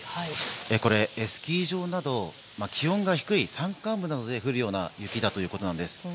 これ、スキー場など気温が低い山間部などで降るような雪だということです。